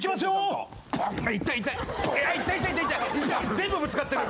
全部ぶつかってる！